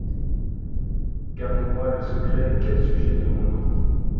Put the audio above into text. Gardez-moi le secretQuel sujet de rondeau !